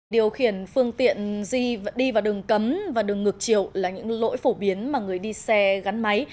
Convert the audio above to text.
điều khiển phương tiện di đi vào đường cấm và đường ngược chiều là những lỗi phổ biến mà người đi xe gắn máy